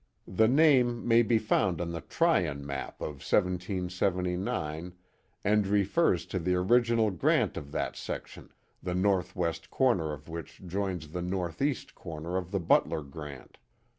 The name may be found 011 the Tryon map of 1779, and refers to the original grant of that section, the northwest corner of which joins the northeast corner of the Butler grant.